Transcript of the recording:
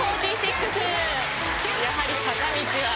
やはり坂道は。